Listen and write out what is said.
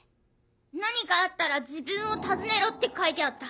「何かあったら自分を訪ねろ」って書いてあった。